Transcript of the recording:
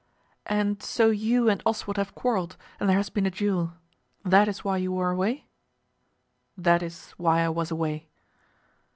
"And so you and Oswald have quarrelled, and there has been a duel. That is why you were away?" "That is why I was away."